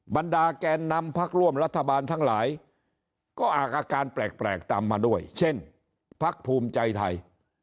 บรรดาแกนนำพักร่วมรัฐบาลทั้งหลายก็อากอาการแปลกตามมาด้วยเช่นพักภูมิใจไทย